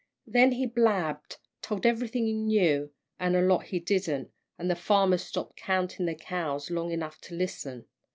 "Then he blabbed, told everything he knew, an' a lot he didn't, an' the farmers stopped counting their cows long enough to listen.